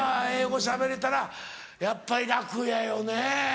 英語しゃべれたらやっぱり楽やよね。